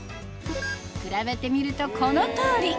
比べてみるとこの通り！